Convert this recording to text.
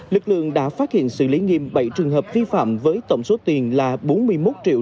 lực lượng đã phát hiện xử lý nghiêm bảy trường hợp vi phạm với tổng số tiền là bốn mươi một triệu